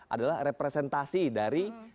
adalah representasi dari